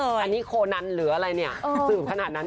เดี๋ยวอันนี้โคนันเหลืออะไรเนี่ยสูบขนาดนั้น